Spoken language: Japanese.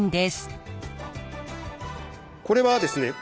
これはですね